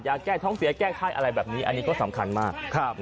แก้ท้องเสียแก้ไข้อะไรแบบนี้อันนี้ก็สำคัญมาก